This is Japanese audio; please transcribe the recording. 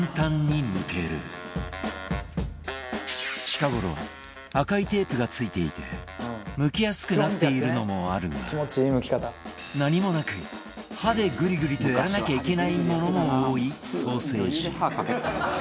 近頃赤いテープが付いていてむきやすくなっているのもあるが何もなく歯でグリグリとやらなきゃいけないものも多いソーセージ